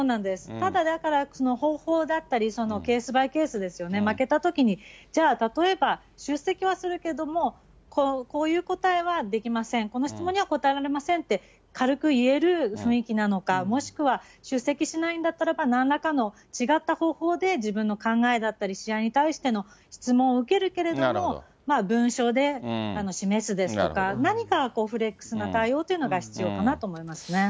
ただだから、その方法だったり、ケースバイケースですよね、負けたときにじゃあ例えば、出席はするけれども、こういう答えはできません、この質問には答えられませんって軽く言える雰囲気なのか、もしくは出席しないんだったら、なんらかの違った方法で自分の考えだったり、試合に対しての質問を受けるけれども、文書で示すですとか、何かフレックスな対応が必要かなと思いますね。